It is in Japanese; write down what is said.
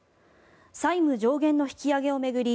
債務上限の引き上げを巡り